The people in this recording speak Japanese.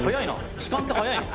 時間って早いな」